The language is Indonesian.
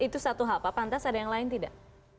itu satu hal pak pantas ada yang lain tidak